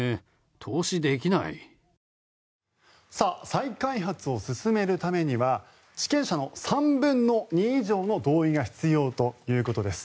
再開発を進めるためには地権者の３分の２以上の同意が必要ということです。